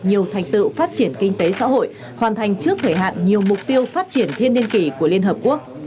nhiều thành tựu phát triển kinh tế xã hội hoàn thành trước thời hạn nhiều mục tiêu phát triển thiên niên kỷ của liên hợp quốc